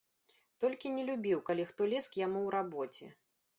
Толькі не любіў, калі хто лез к яму ў рабоце.